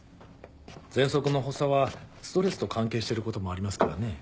ぜんそくの発作はストレスと関係してることもありますからね。